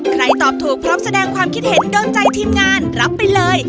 ตอบถูกพร้อมแสดงความคิดเห็นโดนใจทีมงานรับไปเลย